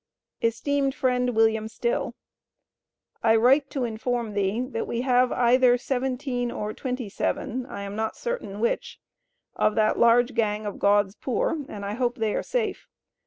ESTEEMED FRIEND WILLIAM STILL: I write to inform thee that we have either 17 or 27, I am not certain which, of that large Gang of God's poor, and I hope they are safe.